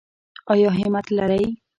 ایا همت لرئ؟